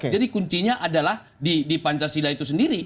jadi kuncinya adalah di pancasila itu sendiri